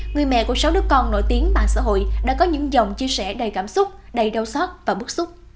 người mẹ của sáu đứa con nổi tiếng mạng xã hội đã có những dòng chia sẻ đầy cảm xúc đầy đau xót và bức xúc